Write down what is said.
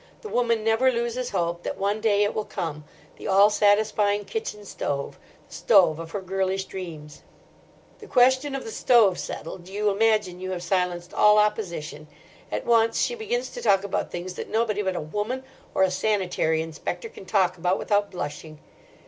The woman never loses hope that one day it will come—the all satisfying kitchen stove, the stove of her girlish dreams. The question of the stove settled, you imagine you have silenced all opposition. At once she begins to talk about things that nobody but a woman or a sanitary inspector can talk about without blushing.